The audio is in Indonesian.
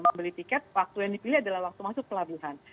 membeli tiket waktu yang dipilih adalah waktu masuk pelabuhan